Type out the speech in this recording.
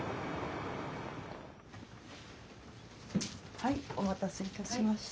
はいお待たせいたしました。